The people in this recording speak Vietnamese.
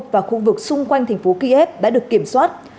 và khu vực xung quanh thành phố kiev đã được kiểm soát